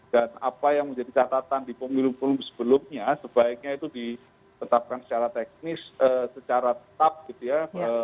dan apa yang menjadi catatan di pemilu pemilu sebelumnya sebaiknya itu ditetapkan secara teknis secara tetap gitu ya